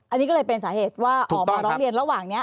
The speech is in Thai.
อันนี้ก็เลยเป็นสาเหตุว่าออกมาร้องเรียนระหว่างนี้